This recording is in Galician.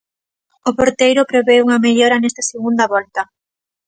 O porteiro prevé unha mellora nesta segunda volta.